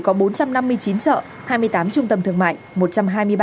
có bốn trăm năm mươi chín chợ hai mươi tám trung tâm thương mại